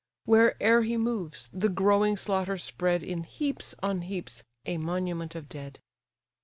Where'er he moves, the growing slaughters spread In heaps on heaps a monument of dead.